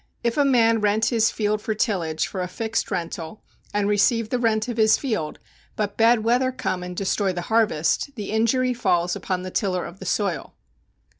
If a man rent his field for tillage for a fixed rental, and receive the rent of his field, but bad weather come and destroy the harvest, the injury falls upon the tiller of the soil.